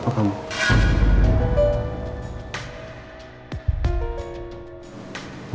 itu urusan apa kamu